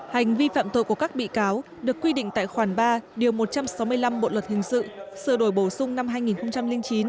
hành vi phạm tội của các bị cáo được quy định tại khoản ba điều một trăm sáu mươi năm bộ luật hình sự sửa đổi bổ sung năm hai nghìn chín